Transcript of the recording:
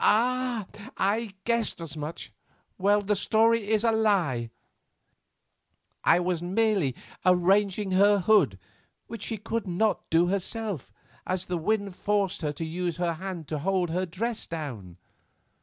Ah! I guessed as much. Well, the story is a lie; I was merely arranging her hood which she could not do herself, as the wind forced her to use her hand to hold her dress down."